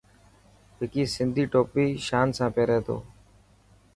وڪي سڌي ٽوپي شان سان پيري ٿو.